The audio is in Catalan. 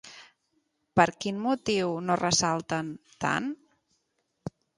Per quin motiu no ressalten tant?